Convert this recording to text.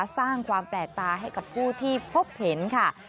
สร้างความแปลกตาให้กับผู้ที่พบเห็นค่ะ